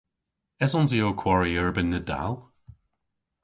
Esons i ow kwari erbynn Nadal?